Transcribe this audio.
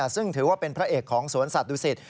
ซึ่งถือว่าเป็นพระเอกของสวนสัตวศิษฐ